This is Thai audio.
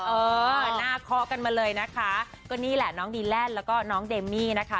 เออหน้าเคาะกันมาเลยนะคะก็นี่แหละน้องดีแลนด์แล้วก็น้องเดมมี่นะคะ